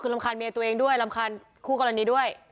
อ๋อคือลำคาญเมียตัวเองด้วยลำคาญคู่กับแบบนี้ด้วย